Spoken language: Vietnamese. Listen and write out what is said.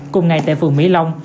cùng ngày tại phường mỹ long